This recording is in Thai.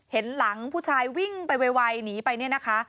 เห็นหลังผู้ชายวิ่งไปไวหนีไปเนี่ยนะคะ